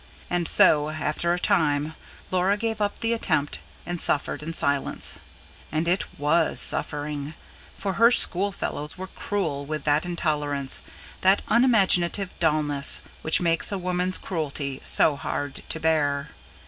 And so, after a time, Laura gave up the attempt and suffered in silence; and it WAS suffering; for her schoolfellows were cruel with that intolerance, that unimaginative dullness, which makes a woman's cruelty so hard to bear.